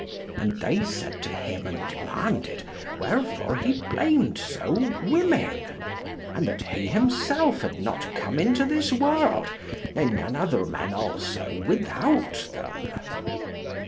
And they said to him and demanded wherefore he blamed so women? and that he himself had not come into this world, ne none other men also, without them.